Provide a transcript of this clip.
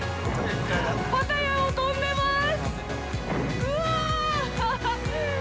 パタヤを飛んでます。